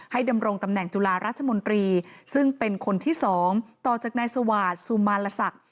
ดำรงตำแหน่งจุฬาราชมนตรีซึ่งเป็นคนที่สองต่อจากนายสวาสสุมารศักดิ์